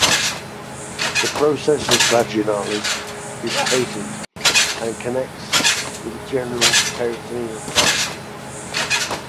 The processus vaginalis is patent and connects with the general peritoneal cavity.